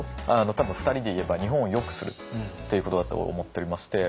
多分２人で言えば日本をよくするっていうことだと思っておりまして。